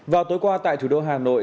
vào tối qua tại thủ đô hà nội